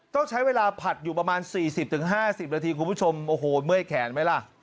ต้องใช้เวลาผัดอยู่ประมาณ๔๐๕๐นาทีคุณผู้ชมโอ้โหเมื่อยแขนไหมล่ะ